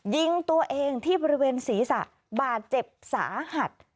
ยิงตัวเองที่บริเวณศีรษะบาดเจ็บสาหัส